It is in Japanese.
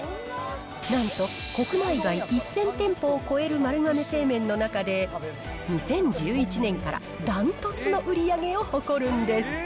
なんと国内外１０００店舗を超える丸亀製麺の中で、２０１１年から断トツの売り上げを誇るんです。